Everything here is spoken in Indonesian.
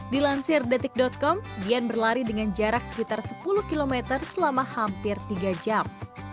dilansir detik com dian berlari dengan jarak sekitar sepuluh km selama hampir tiga jam